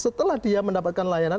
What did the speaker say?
setelah dia mendapatkan layanan